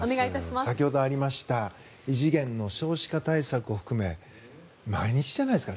先ほどありました異次元の少子化対策を含め毎日じゃないですか。